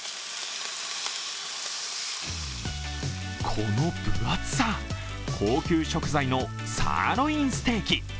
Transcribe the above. この分厚さ、高級食材のサーロインステーキ。